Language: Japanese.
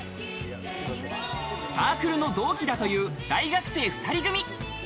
サークルの同期だという大学生２人組。